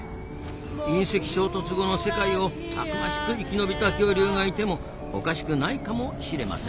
隕石衝突後の世界をたくましく生き延びた恐竜がいてもおかしくないかもしれませんなあ。